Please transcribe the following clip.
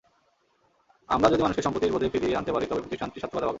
আমরা যদি মানুষকে সম্প্রীতির বোধে ফিরিয়ে আনতে পারি, তবে প্রতিষ্ঠানটি সার্থকতা পাবে।